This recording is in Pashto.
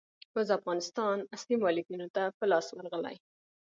اوس افغانستان اصلي مالکينو ته په لاس ورغلئ.